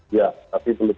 ya tapi belum